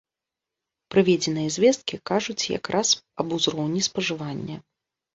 Прыведзеныя звесткі кажуць як раз аб узроўні спажывання.